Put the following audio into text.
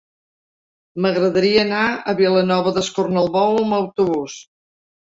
M'agradaria anar a Vilanova d'Escornalbou amb autobús.